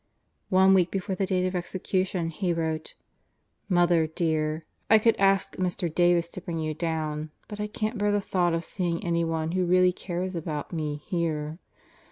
One week before the date of execution he wrote: Mother, dear, I could ask Mr. Davis to bring you down, but I can't bear the thought of seeing anyone who really cares about me here.